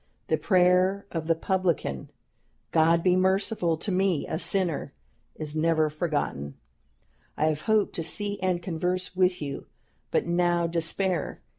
The prayer of the publican, 'God be merciful to me a sinner!' is never forgotten. I have hoped to see and converse with you, but now despair.